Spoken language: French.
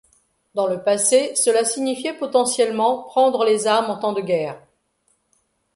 Dans le passé, cela signifiait potentiellement prendre les armes en temps de guerre.